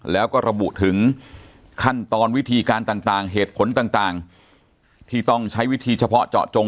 แล้วก็ระบุถึงขั้นตอนวิธีการต่างเหตุผลต่างที่ต้องใช้วิธีเฉพาะเจาะจง